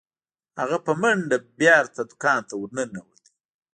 هغه په منډه بیرته دکان ته ورنوت.